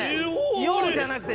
「よ」じゃなくて。